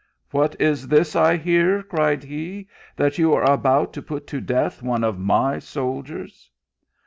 " What is this I hear," cried he, " that you are about to put to death one of my soldiers